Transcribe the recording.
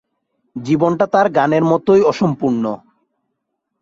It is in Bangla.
জীবনটা তার গানের মতোই অসম্পূর্ণ।